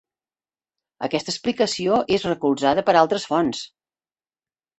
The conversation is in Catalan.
Aquesta explicació és recolzada per altres fonts.